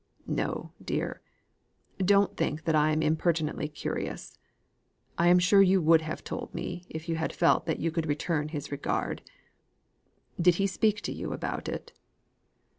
"No, dear; don't think that I am impertinently curious. I am sure you would have told me if you had felt that you could return his regard. Did he speak to you about it?"